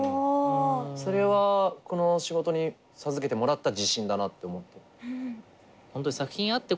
それはこの仕事に授けてもらった自信だなって思ってる。